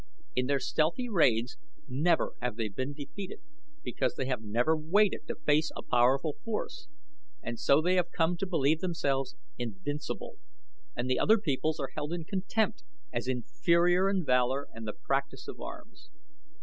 In their stealthy raids never have they been defeated, because they have never waited to face a powerful force; and so they have come to believe themselves invincible, and the other peoples are held in contempt as inferior in valor and the practice of arms."